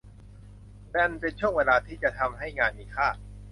มันเป็นช่วงเวลาที่จะทำให้งานมีค่า